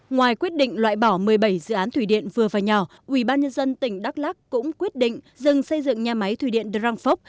ngoài quyết định loại bỏ một mươi bảy dự án thủy điện vừa và nhỏ ubnd tỉnh đắk lắc cũng quyết định dừng xây dựng nhà máy thủy điện dreang phốc